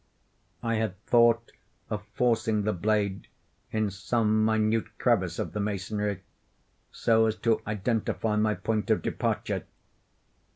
I had thought of forcing the blade in some minute crevice of the masonry, so as to identify my point of departure.